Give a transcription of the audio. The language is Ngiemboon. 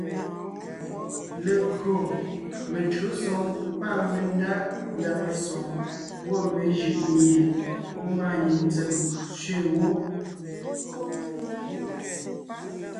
Legÿo metÿǒsoŋ pâ mendá pʉ̀a mesoŋ gwɔ̂ mejʉʼ mie ngwɔ́ maanyìŋ ntsèm tsẅe wó;